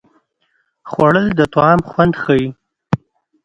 خوړل د طعام خوند ښيي